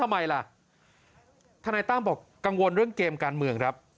ทำไมล่ะทนายตั้มบอกกังวลเรื่องเกมการเมืองครับ